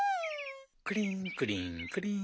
クリーンクリーンクリーン。